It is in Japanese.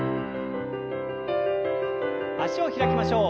脚を開きましょう。